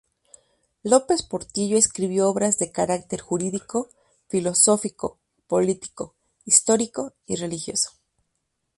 López Portillo escribió obras de carácter jurídico, filosófico, político, histórico y religioso.